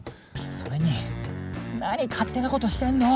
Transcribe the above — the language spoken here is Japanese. それに何勝手なことしてんの！